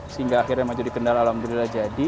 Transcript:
sehingga akhirnya maju di kendal alhamdulillah jadi